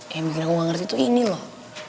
yang mikir aku gak ngerti tuh ini loh